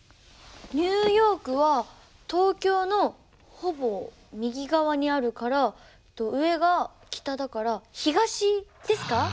ニューヨークは東京のほぼ右側にあるから上が北だから東ですか？